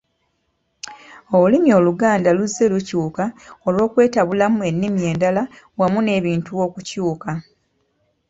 Olulimi Oluganda luzze lukyuka olw’okwetabulamu ennimi endala wamu n’ebintu okukyuka.